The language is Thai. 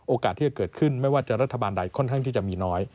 โอกาสที่จะเกิดขึ้นไม่ว่าจะรัฐบาลใดค่อนข้างที่จะมีน้อย